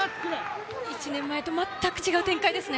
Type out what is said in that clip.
１年前と全く違う展開ですね。